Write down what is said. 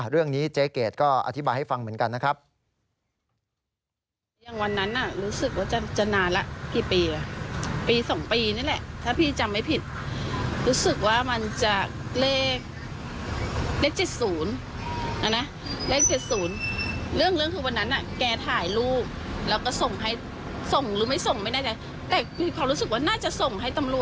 เรื่องนี้เจ๊เกดก็อธิบายให้ฟังเหมือนกันนะครับ